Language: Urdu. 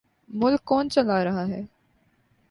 ملک کون چلا رہا ہے؟